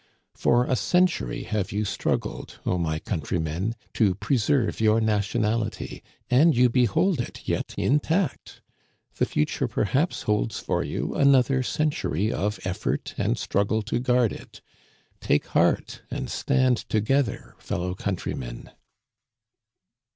For a century have you struggled, my countrymen, to preserve your nationality, and you behold it yet intact. The future perhaps holds for you another century of effort and struggle to guard it. Take heart and stand together, fellow countrymen.